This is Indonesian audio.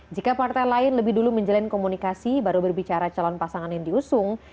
jika partai lain lebih dulu menjalin komunikasi baru berbicara calon pasangan yang diusung